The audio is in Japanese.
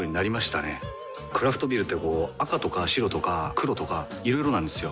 クラフトビールってこう赤とか白とか黒とかいろいろなんですよ。